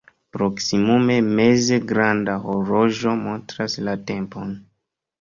Proksimume meze granda horloĝo montras la tempon.